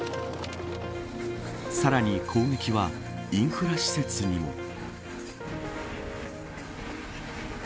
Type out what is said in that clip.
さらに攻撃はインフラ施設にも。